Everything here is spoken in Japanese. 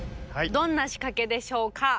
どんなしかけでしょうか？